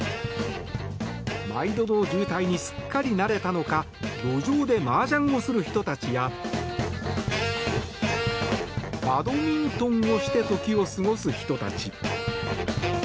毎度の渋滞にすっかり慣れたのか路上でマージャンをする人たちやバドミントンをして時を過ごす人たち。